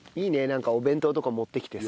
なんかお弁当とか持ってきてさ。